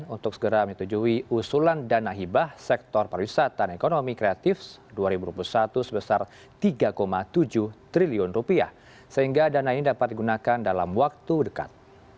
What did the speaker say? untuk segera menyetujui usulan dana hibah sektor pariwisata dan ekonomi kreatif dua ribu dua puluh satu sebesar rp tiga tujuh triliun sehingga dana ini dapat digunakan dalam waktu dekat